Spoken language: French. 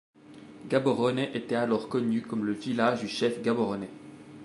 Gaborone était alors connu comme le village du chef Gaborone.